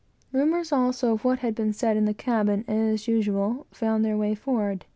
Rumors also of what had been said in the cabin, as usual, found their way forward.